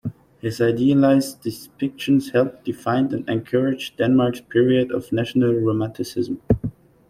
His idealised depictions helped define and encourage Denmark's period of national romanticism.